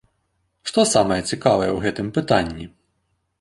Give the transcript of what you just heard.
Што самае цікавае ў гэтым пытанні?